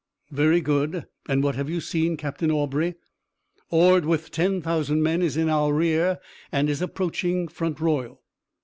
"Very good, and what have you seen, Captain Aubrey?" "Ord with ten thousand men is in our rear and is approaching Front Royal."